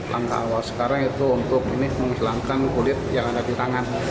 langkah awal sekarang itu untuk menghilangkan kulit yang ada di tangan